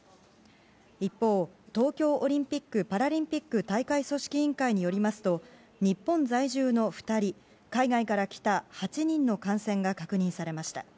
一方、東京オリンピック・パラリンピック大会組織委員会によりますと日本在住の２人、海外から来た８人の感染が確認されました。